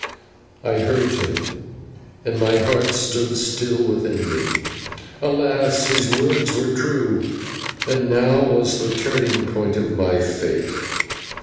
I heard him, and my heart stood still within me. Alas! his words were true, and now was the turning point of my fate.